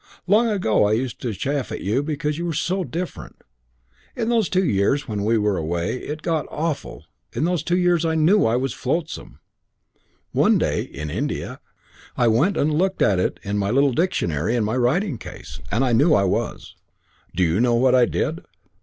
Long ago I used to chaff you because you were so different. In those two years when we were away it got awful. In those two years I knew I was flotsam. One day in India I went and looked at it in the little dictionary in my writing case, and I knew I was. Do you know what I did?